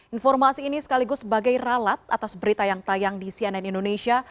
informasi ini sekaligus sebagai ralat atas berita yang tayang di cnn indonesia